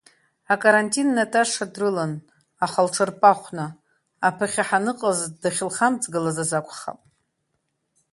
Акарантин Наташа дрылан, аха лҽырпахәны, аԥыхьа ҳаныҟаз дахьылхамыҵгылаз азы акәхап.